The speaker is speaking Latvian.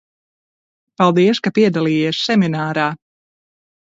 Paldies, ka piedalījies seminārā.